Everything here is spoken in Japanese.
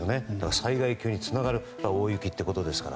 災害級につながる大雪ということですから。